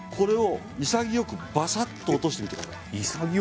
潔くばさっと落としてみてください。